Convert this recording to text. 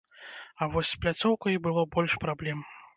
А вось з пляцоўкай было больш праблем.